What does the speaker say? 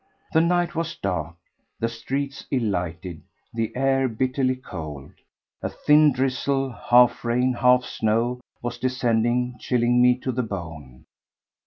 The night was dark, the streets ill lighted, the air bitterly cold. A thin drizzle, half rain, half snow, was descending, chilling me to the bone.